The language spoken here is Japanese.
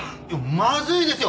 まずいですよ！